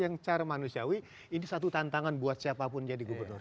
yang secara manusiawi ini satu tantangan buat siapapun jadi gubernur